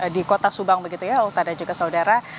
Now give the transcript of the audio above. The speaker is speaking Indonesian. di kota subang begitu ya ulta dan juga saudara